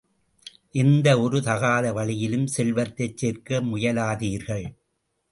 எந்த ஒரு தகாத வழியிலும் செல்வத்தைச் சேர்க்க முயலாதீர்கள்.